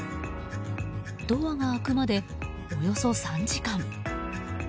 ドアが開くまで、およそ３時間。